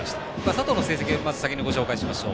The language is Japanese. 佐藤の成績をまず先にご紹介しましょう。